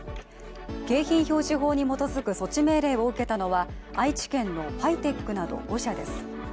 景品表示法に基づく措置命令を受けたのは愛知県のファイテックなど５社です。